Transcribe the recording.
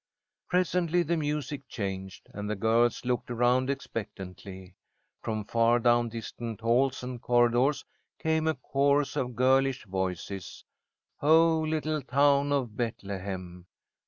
Presently the music changed, and the girls looked around expectantly. From far down distant halls and corridors came a chorus of girlish voices: "Oh, little town of Bethlehem."